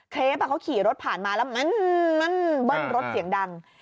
คลิปเขาขี่รถผ่านมาแล้วมันเบิ้ลรถเสียงดัง